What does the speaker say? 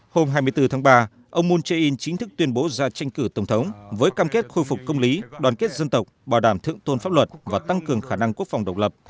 hôm hai mươi bốn tháng ba ông moon jae in chính thức tuyên bố ra tranh cử tổng thống với cam kết khôi phục công lý đoàn kết dân tộc bảo đảm thượng tôn pháp luật và tăng cường khả năng quốc phòng độc lập